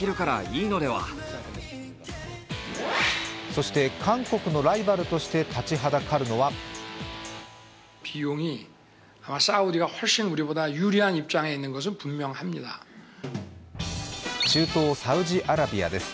そして韓国のライバルとして立ちはだかるのは中東・サウジアラビアです。